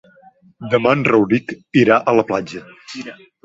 Demà en Rauric irà a la platja.